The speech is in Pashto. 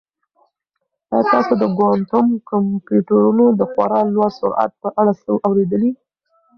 آیا تاسو د کوانټم کمپیوټرونو د خورا لوړ سرعت په اړه څه اورېدلي؟